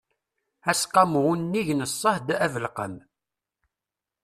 aseqqamu unnig n ṣṣehd abelkam